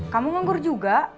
kamu nganggur juga